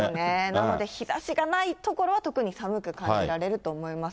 なので、日ざしがない所は、特に寒く感じられると思います。